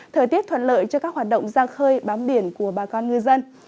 thời tiết thuận lợi cho các hoạt động ra khơi bám biển của bà con ngư dân